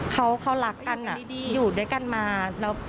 เขารักกันอยู่ด้วยกันมา